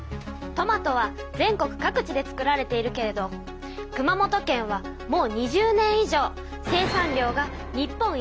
トマトは全国各地で作られているけれど熊本県はもう２０年以上生産量が日本一なのよ。